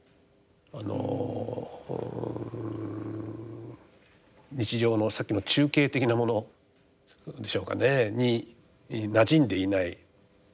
あの日常のさっきの中景的なものでしょうかねになじんでいない。